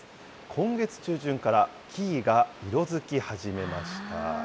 今月中旬から木々が色づき始めました。